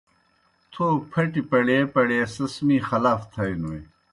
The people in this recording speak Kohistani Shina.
تھو پَھٹیْ پڑیے پڑیے سیْس می خلاف تھائینوئے۔